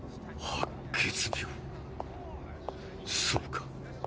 そうか。